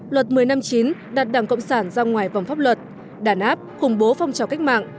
luật một mươi năm chín đặt đảng cộng sản ra ngoài vòng pháp luật đàn áp khủng bố phong trào cách mạng